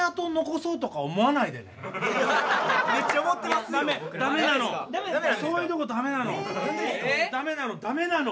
そういうとこダメなの。